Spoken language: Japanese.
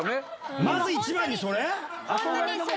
まず一番にそれ？